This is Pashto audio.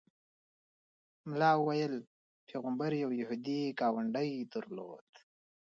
ملا ویل پیغمبر یو یهودي ګاونډی درلود.